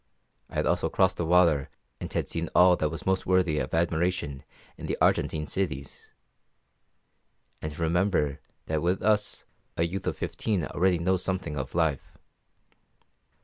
I had also crossed the water and had seen all that was most worthy of admiration in the Argentine cities. And remember that with us a youth of fifteen already knows something of life.